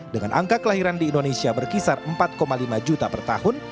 dengan angka kelahiran di indonesia berkisar empat lima juta per tahun